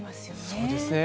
そうですね。